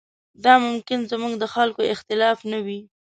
دا ممکن زموږ د خلکو اختلاف نه وي.